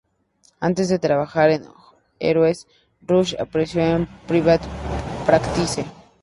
Antes de trabajar en "Heroes", Rush apareció en "Private Practice".